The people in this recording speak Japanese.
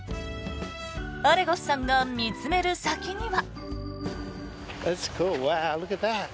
アレゴスさんが見つめる先には。